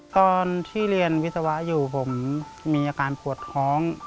ตอนที่เรียนวิศวะอยู่ผมมีอาการปวดท้อง